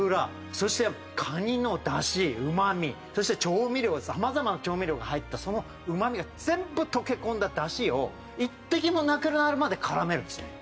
そしてカニのダシうまみそして様々な調味料が入ったそのうまみが全部溶け込んだダシを一滴もなくなるまで絡めるんですよ。